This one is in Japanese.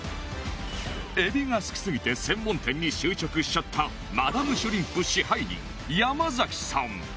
エビが好きすぎて専門店に就職しちゃったマダムシュリンプ支配人山崎さん